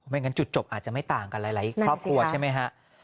ไม่งั้นจุดจบอาจจะไม่ต่างกันแล้วหรืออีกครอบครัวใช่มั้ยฮะ